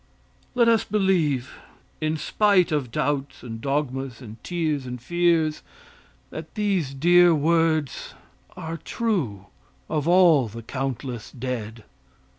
Let us believe, in spite of doubts and dogmas and tears and fears that these dear words are true of all the countless dead.